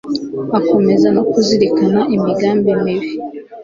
akomeza no kuzirikana imigambi mibi